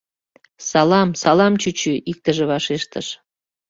— Салам, салам, чӱчӱ! — иктыже вашештыш.